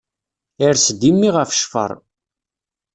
Ers-d i mmi ɣef ccfer.